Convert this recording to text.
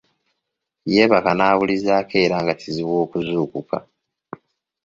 Yeebaka n’abulizaako era nga kizibu okuzuukuka.